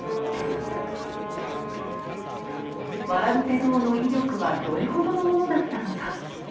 蕨手刀の威力はどれほどのものだったのか。